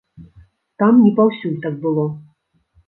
Там не паўсюль так было.